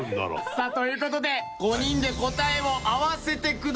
さあという事で５人で答えを合わせてください。